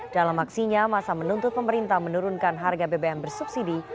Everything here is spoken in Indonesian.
dalam aksinya masa menuntut pemerintah menurunkan harga bbm bersubsidi